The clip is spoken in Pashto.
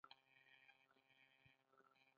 د انشأ فن یا د لیکوالۍ هنر مهم دی.